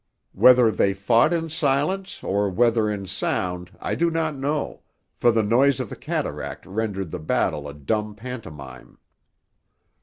Whether they fought in silence or whether in sound I do not know, for the noise of the cataract rendered the battle a dumb pantomime.